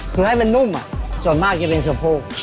คือให้มันนุ่มส่วนมากจะเป็นสะโพก